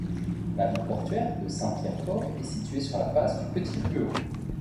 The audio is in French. La ville portuaire de Saint-Pierre-Port est située sur la passe du petit Ruau.